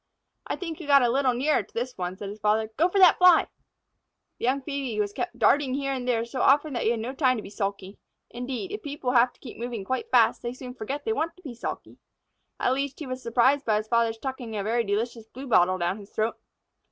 "I think you got a little nearer to this one," said his father. "Go for that Fly!" The young Phœbe was kept darting here and there so often that he had no time to be sulky. Indeed, if people have to keep moving quite fast, they soon forget to want to be sulky. At last he was surprised by his father's tucking a very delicious Bluebottle down his throat.